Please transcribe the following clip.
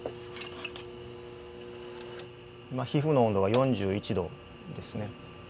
今皮膚の温度が４１度ですね。